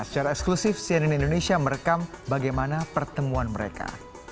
secara eksklusif cnn indonesia merekam bagaimana pertemuan mereka